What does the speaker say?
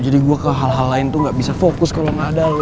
jadi gue ke hal hal lain tuh gak bisa fokus kalo gak ada lo